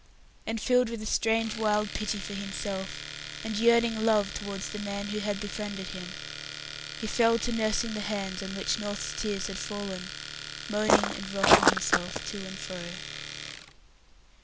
And filled with a strange wild pity for himself, and yearning love towards the man who befriended him, he fell to nursing the hand on which North's tears had fallen, moaning and rocking himself to and fro.